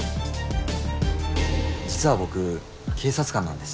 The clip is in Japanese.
実は僕警察官なんです。